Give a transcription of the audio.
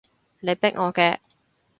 你逼我嘅